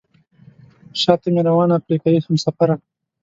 شاته مې روانه افریقایي همسفره.